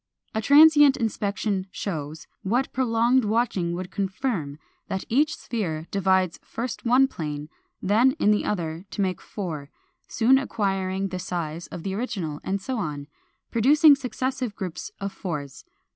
A transient inspection shows, what prolonged watching would confirm, that each sphere divides first in one plane, then in the other, to make four, soon acquiring the size of the original, and so on, producing successive groups of fours.